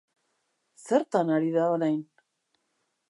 Zertan ari da orain?